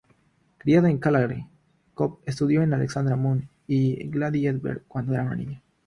Criada en Calgary, Coop estudió con Alexandra Munn y Gladys Egbert cuando era niña.